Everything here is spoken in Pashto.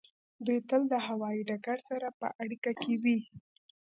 دوی تل د هوایی ډګر سره په اړیکه کې وي